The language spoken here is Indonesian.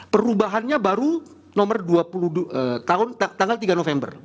perubahannya baru nomor dua puluh dua tahun tanggal tiga november